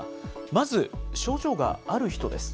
まず症状がある人です。